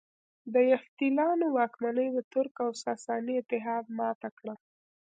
د یفتلیانو واکمني د ترک او ساساني اتحاد ماته کړه